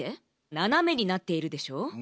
ななめになっているでしょ？